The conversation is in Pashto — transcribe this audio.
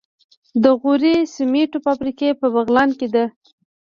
د غوري سمنټو فابریکه په بغلان کې ده.